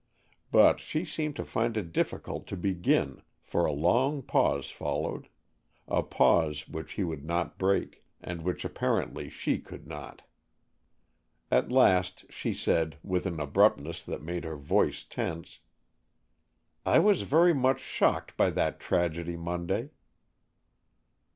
But she seemed to find it difficult to begin, for a long pause followed, a pause which he would not break, and which apparently she could not. At last she said, with an abruptness that made her voice tense, "I was very much shocked by that tragedy Monday."